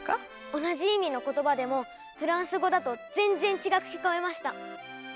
同じ意味の言葉でもフランス語だと全然違く聞こえました。